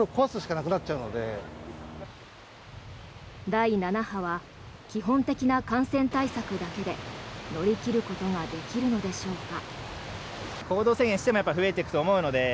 第７波は基本的な感染対策だけで乗り切ることができるのでしょうか。